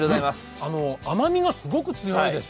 甘みがすごく強いです。